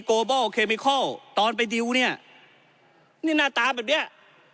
โบเคมิคอลตอนไปดิวเนี่ยนี่หน้าตาแบบเนี้ย